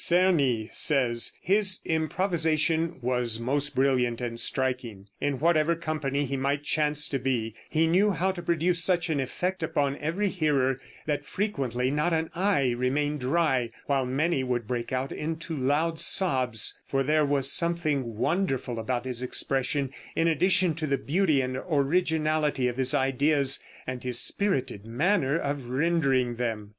Czerny says: "His improvisation was most brilliant and striking; in whatever company he might chance to be, he knew how to produce such an effect upon every hearer that frequently not an eye remained dry, while many would break out into loud sobs; for there was something wonderful about his expression, in addition to the beauty and originality of his ideas, and his spirited manner of rendering them."